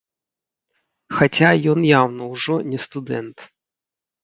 Хаця ён яўна ўжо не студэнт.